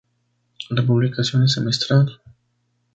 La publicación es semestral.